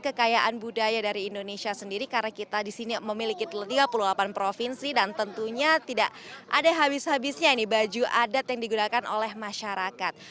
kekayaan budaya dari indonesia sendiri karena kita di sini memiliki tiga puluh delapan provinsi dan tentunya tidak ada habis habisnya ini baju adat yang digunakan oleh masyarakat